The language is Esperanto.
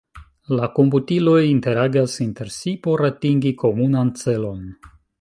La komputiloj interagas inter si por atingi komunan celon.